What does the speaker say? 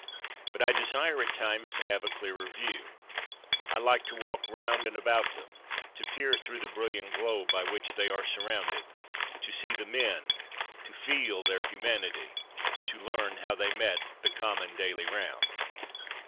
But I desire at times to have a clearer view, I like to walk round and about them, to peer through the brilliant glow by which they are surrounded, to see the men, to feel their humanity, to learn how they met the ' common daily round.'